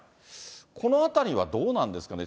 このあたりはどうなんですかね？